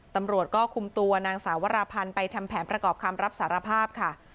ตำรวจก็คุมตัวนางสาวราพันธ์ไปทำแผนประกอบคำรับสารภาพค่ะ